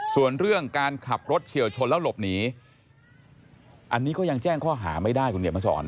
ส่วนเรื่องการขับรถเฉียวชนแล้วหลบหนีอันนี้ก็ยังแจ้งข้อหาไม่ได้คุณเขียนมาสอน